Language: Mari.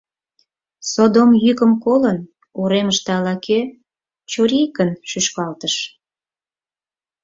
Содом йӱкым колын, уремыште ала-кӧ чорикын шӱшкалтыш.